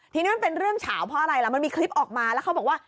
ทีนี้มันเป็นเรื่องเฉาเพราะอะไรล่ะมันมีคลิปออกมาแล้วเขาบอกว่า